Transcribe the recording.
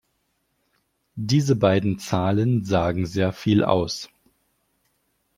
Diese beiden Zahlen sagen sehr viel aus.